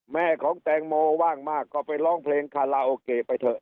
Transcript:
แม่ของแตงโมว่างมากก็ไปร้องเพลงคาราโอเกะไปเถอะ